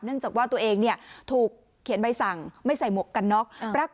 จากว่าตัวเองถูกเขียนใบสั่งไม่ใส่หมวกกันน็อก